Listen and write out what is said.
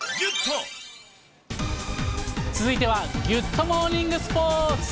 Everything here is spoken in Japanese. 続いてはギュッとモーニングスポーツ。